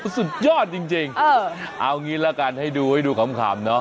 สุดยอดจริงเออเอาอย่างนี้ล่ะกันให้ดูขำเนอะ